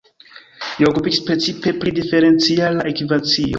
Li okupiĝis precipe pri Diferenciala ekvacio.